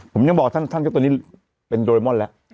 ผมยังบอกท่านท่านก็ตัวนี้เป็นโดรมอนด์แล้ว